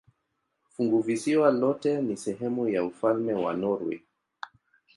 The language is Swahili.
Funguvisiwa lote ni sehemu ya ufalme wa Norwei.